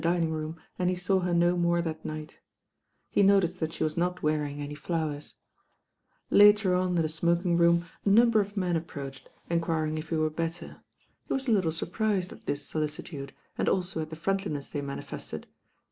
<J^°;/»«;oom and he saw her no more that night He nouced that she was not wearing any HoweS Later on m the smoking room a number of men approached, enquiring if he were better. He wa" 165 166 THE RAIN GIRL ! a little surprised at this solicitude, and also at the friendliness they manifested.